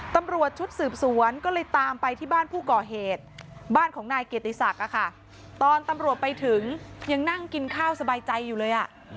ตำรวจชุดสืบสวนก็เลยตามไปที่บ้านผู้ก่อเหตุบ้านของนายเกียรติศักดิ์ตอนตำรวจไปถึงยังนั่งกินข้าวสบายใจอยู่เลยอ่ะ